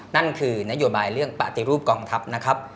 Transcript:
นั่นคือนโยบายเรื่องปฏิรูปกองทัพนะครับ